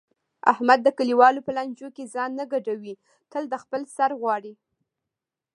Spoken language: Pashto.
احمد د کلیوالو په لانجو کې ځان نه ګډوي تل د خپل سر غواړي.